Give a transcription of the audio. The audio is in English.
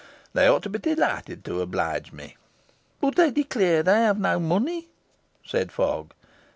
They ought to be delighted to oblige me." "But they declare they have no money," said Fogg.